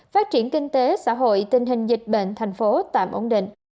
phát triển kinh tế xã hội tình hình dịch bệnh thành phố tạm ổn định